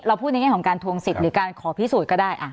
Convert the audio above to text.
พูดในแง่ของการทวงสิทธิ์หรือการขอพิสูจน์ก็ได้